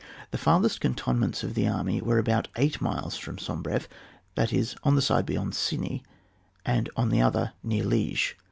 The farthest cantonments of the army were about eight miles from Sombreff, that is, on the one side beyond Ciney, and on the other near Li^ge.